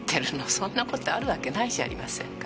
そんな事あるわけないじゃありませんか。